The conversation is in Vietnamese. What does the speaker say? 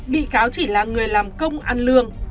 bị cáo chỉ là người làm công ăn lương